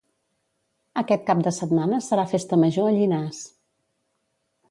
Aquest cap de setmana serà Festa Major a Llinars